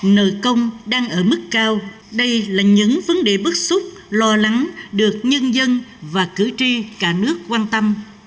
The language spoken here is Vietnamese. nợ công đang ở mức cao đây là những vấn đề bức xúc lo lắng được nhân dân và cử tri cả nước quan tâm